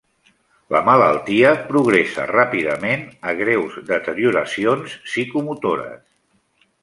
La malaltia progressa ràpidament a greus deterioracions psicomotores.